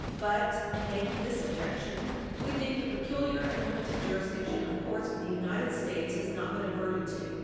401 But, in making this objection, we think the peculiar and limited jurisdiction of courts of the United States has not been adverted to.